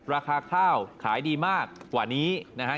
ราคาข้าวขายดีมากกว่านี้นะฮะ